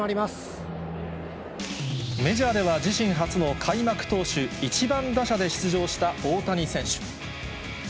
メジャーでは、自身初の開幕投手、１番打者で出場した大谷選手。